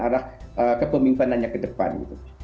arah kepemimpinannya ke depan gitu